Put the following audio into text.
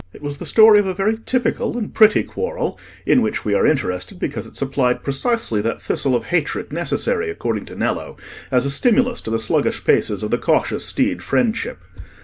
It was the story of a very typical and pretty quarrel, in which we are interested, because it supplied precisely that thistle of hatred necessary, according to Nello, as a stimulus to the sluggish paces of the cautious steed, Friendship.